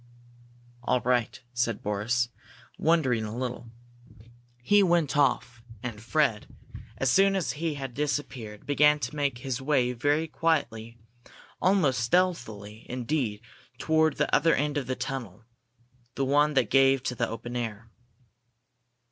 "All right," said Boris, wondering a little. He went off, and Fred, as soon as he had disappeared, began to make his way very quietly, almost stealthily, indeed, toward the other end of the tunnel the one that gave to the open air.